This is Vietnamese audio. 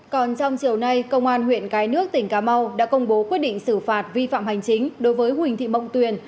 còn trong chiều nay công an huyện cái nước tỉnh cà mau đã công bố quyết định xử phạt vi phạm hành chính đối với huỳnh thị mộng tuyền